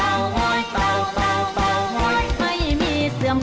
เอาไว้กันเลยค่ะเอาไว้กันเลยค่ะ